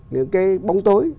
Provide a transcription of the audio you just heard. những cái bóng tối